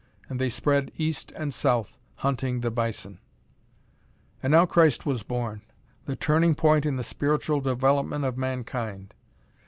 And they spread east and south, hunting the bison. And now Christ was born. The turning point in the spiritual development of mankind....